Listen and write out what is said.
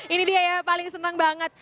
ini dia ya paling senang banget